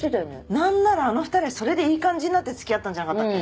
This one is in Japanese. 何ならあの２人はそれでいい感じになって付き合ったんじゃなかったっけ？